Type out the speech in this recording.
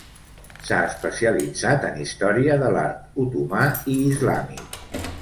S'ha especialitzat en història de l'art otomà i islàmic.